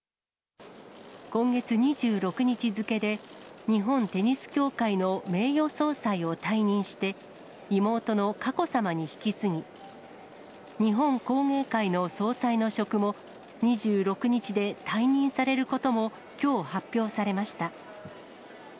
今月２６日付で、日本テニス協会の名誉総裁を退任して、妹の佳子さまに引き継ぎ、日本工芸会の総裁の職も、２６日で退任されることもきょう、発表されました。